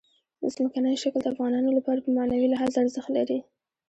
ځمکنی شکل د افغانانو لپاره په معنوي لحاظ ارزښت لري.